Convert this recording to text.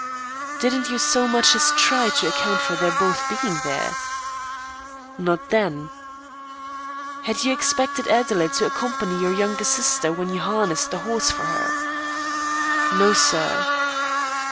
"Didn't you so much as try to account for their both being there?" "Not then." "Had you expected Adelaide to accompany your younger sister when you harnessed the horse for her?" "No, sir."